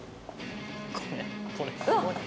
これこれすごい。